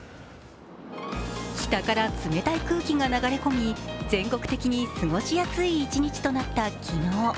北から冷たい空気が流れ込み全国的に過ごしやすい一日となった昨日。